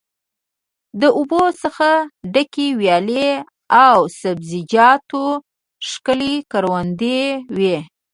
له اوبو څخه ډکې ویالې او د سبزیجاتو ښکلې کروندې وې.